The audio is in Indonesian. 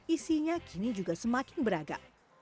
isinya kini juga semakin beragam